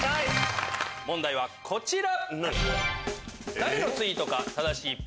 問題はこちら。